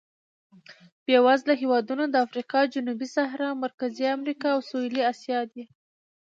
بېوزله هېوادونه د افریقا جنوبي صحرا، مرکزي امریکا او سوېلي اسیا دي.